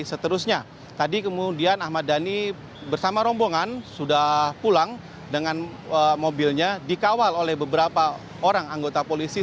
seterusnya tadi kemudian ahmad dhani bersama rombongan sudah pulang dengan mobilnya dikawal oleh beberapa orang anggota polisi